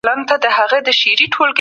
ښوونځی د ښو اړیکو جوړولو تمرین ورکوي.